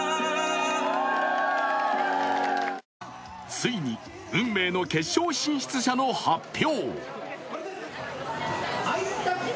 ついに、運命の決勝進出者の発表。